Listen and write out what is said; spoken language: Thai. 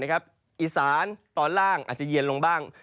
อีสานตอนล่างอาจจะเย็นลงบ้าง